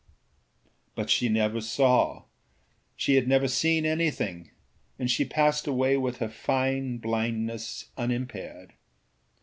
â But she never saw; she had never seen anything, and she passed away with her fine blindness unimpaired.